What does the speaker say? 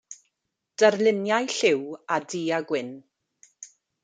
Darluniau lliw a du-a-gwyn.